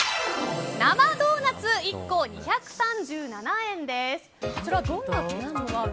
生ドーナツ、１個２３７円です。